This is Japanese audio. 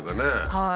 はい。